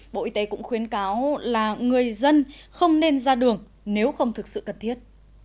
bộ y tế cũng khuyến cáo là người dân không nên ra đường nếu không thực sự cần thiết